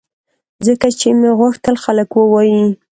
ځکه چې مې غوښتل خلک ووایي